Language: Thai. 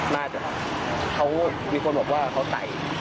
น่าจะเขามีคนบอกว่าเขาใส่